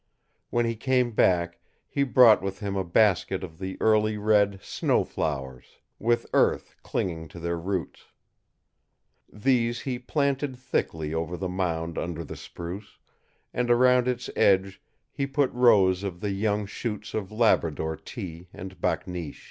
When he came back he brought with him a basket of the early red snow flowers, with earth clinging to their roots. These he planted thickly over the mound under the spruce, and around its edge he put rows of the young shoots of Labrador tea and backneesh.